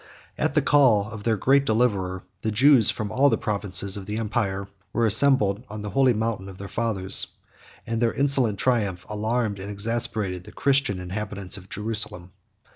At the call of their great deliverer, the Jews, from all the provinces of the empire, assembled on the holy mountain of their fathers; and their insolent triumph alarmed and exasperated the Christian inhabitants of Jerusalem.